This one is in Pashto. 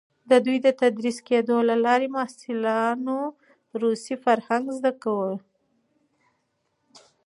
د دوی تدریس کېدو له لارې محصلان روسي فرهنګ زده کول.